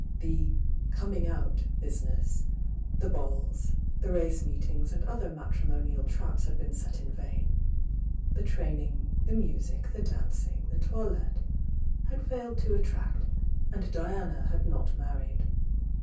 The coming out" business, the balls, the^^e meet mgs and other matrimonial traps had been set in "^'TT » u*???i ^^ "^"8'°' <^e dancing, the toilettes ' had failed to attract, and Diana had not married.